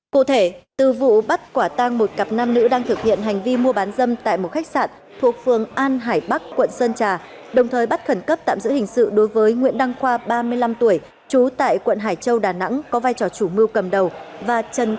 cụ thể từ vụ bắt quả tang một cặp nam nữ đang thực hiện hành vi mua bán dâm tại một khách sạn thuộc phường an hải bắc quận sơn trà đồng thời bắt khẩn cấp tạm giữ hình sự đối với nguyễn đăng khoa ba mươi năm tuổi trú tại quận hải châu đà nẵng có vai trò chủ mưu cầm đầu